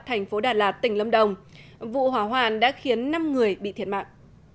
thành phố đà lạt tỉnh lâm đồng vụ hỏa hoạn đã khiến năm người bị thiệt mạng